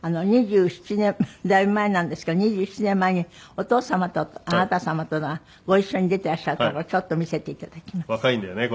２７年だいぶ前なんですけど２７年前にお父様とあなた様とがご一緒に出てらっしゃるところちょっと見せていただきます。